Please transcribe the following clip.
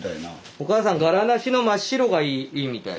おかあさん柄なしの真っ白がいいみたい。